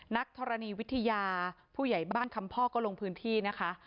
นักธรณีวิทยาผู้ใหญ่บ้านคำพ่อก็ลงพื้นที่นะคะ